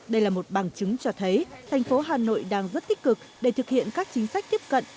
đây là một bằng chứng cho thấy thành phố hà nội đang rất tích cực để thực hiện các chính sách tiếp cận